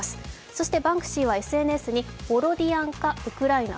そしてバンクシーはＳＮＳにボロディアンカ、ウクライナ